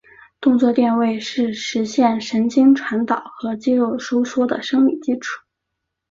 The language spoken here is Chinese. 动作电位是实现神经传导和肌肉收缩的生理基础。